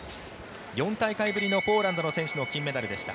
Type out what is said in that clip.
４大会ぶりのポーランドの選手の金メダルでした。